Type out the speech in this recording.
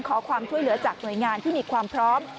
ขอความช่วยเหลือจากหน่วยงานที่มีความพร้อม